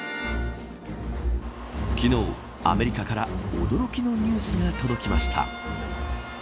昨日、アメリカから驚きのニュースが届きました。